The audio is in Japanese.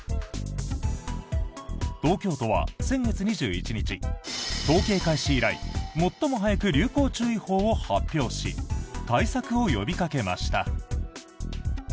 東京都は先月２１日統計開始以来最も早く流行注意報を発表し対策を呼びかけました。